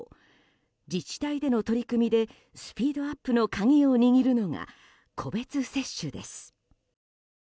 自治体での取り組みでスピードアップの鍵を握るのが個別接種です。